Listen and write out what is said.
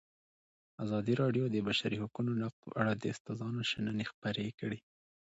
ازادي راډیو د د بشري حقونو نقض په اړه د استادانو شننې خپرې کړي.